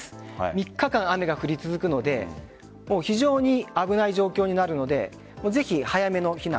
３日間、雨が降り続くので非常に危ない状況になるのでぜひ、早めの避難